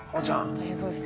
大変そうですね。